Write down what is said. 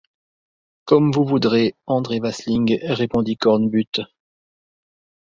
Comme vous voudrez, André Vasling, répondit Cornbutte.